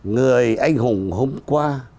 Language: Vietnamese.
người anh hùng hôm qua